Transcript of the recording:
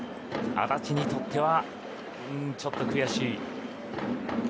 安達にとってはちょっと悔しい。